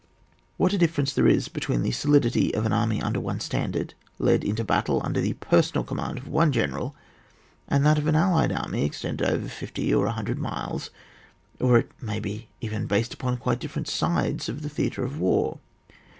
What a difference there is between the solidity of an army under one standard, led into battle under the personal com mand of one general, and that of an allied army extended over 50 or 100 miles, or it may be even based upon quite dif ferent sides (of the theatre of war).